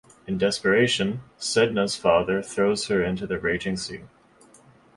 In desperation, Sedna's father throws her into the raging sea.